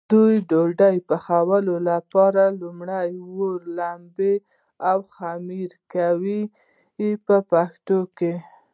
د دې ډوډۍ پخولو لپاره لومړی اوړه لمد او خمېره کوي په پښتو کې.